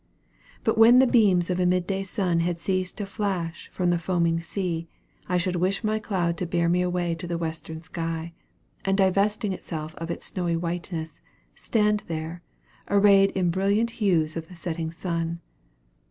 But when the beams of a midday sun had ceased to flash from the foaming sea, I should wish my cloud to bear away to the western sky, and divesting itself of its snowy whiteness, stand there, arrayed in the brilliant hues of the setting sun.